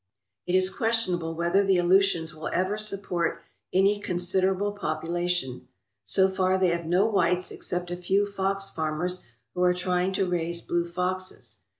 It is questionable whether the Aleutians will ever support any considerable population. So far they have no whites except a few fox farmers who are trying to raise blue foxes.